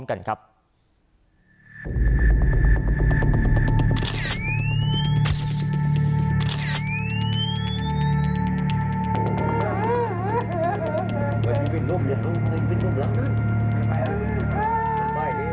อ้าะ